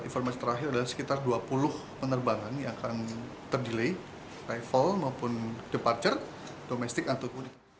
konfirmasi terakhir adalah sekitar dua puluh penerbangan yang akan ter delay rifle maupun departure domestik untuk mudik